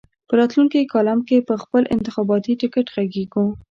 په راتلونکي کالم کې پر بل انتخاباتي ټکټ غږېږو.